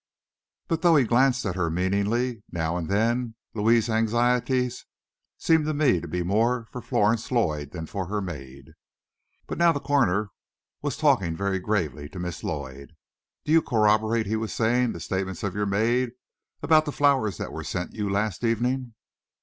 But though he glanced at her meaningly, now and then, Louis's anxiety seemed to me to be more for Florence Lloyd than for her maid. But now the coroner was talking very gravely to Miss Lloyd. "Do you corroborate," he was saying, "the statements of your maid about the flowers that were sent you last evening?"